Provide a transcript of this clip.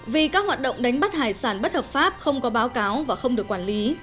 vì các hoạt động đánh bắt hải sản bất hợp pháp không có báo cáo và không được quản lý